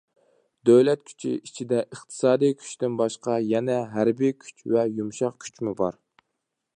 دۆلەت كۈچى ئىچىدە ئىقتىسادىي كۈچتىن باشقا يەنە ھەربىي كۈچ ۋە يۇمشاق كۈچمۇ بار.